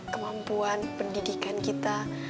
kemampuan pendidikan kita